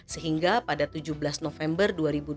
sehingga pada tujuh belas november dua ribu dua puluh